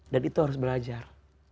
dan itu harus belajar